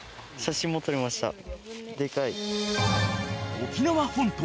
［沖縄本島